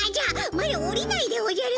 マロ下りないでおじゃる。